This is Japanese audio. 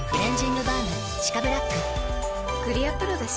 クリアプロだＣ。